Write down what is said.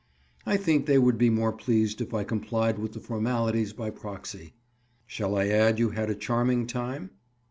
"I think they would be more pleased if I complied with the formalities by proxy." "Shall I add you had a charming time?"